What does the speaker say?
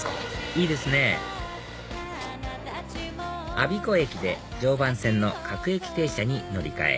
いいですね我孫子駅で常磐線の各駅停車に乗り換え